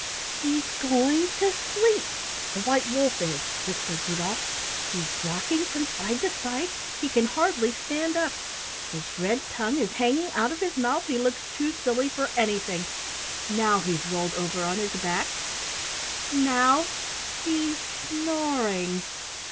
"He's going to sleep the white wolf is," whispered Rudolf. "He's rocking from side to side he can hardly stand up his red tongue is hanging out of his mouth he looks too silly for anything now he's rolled over on his back now he's snoring!"